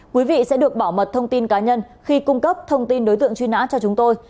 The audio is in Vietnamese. quý vị sẽ được bảo mật thông tin cá nhân khi cung cấp thông tin đối tượng truy nã cho chúng tôi